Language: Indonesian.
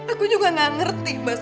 aku juga gak ngerti